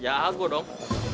ya aku dong